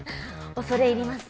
恐れ入ります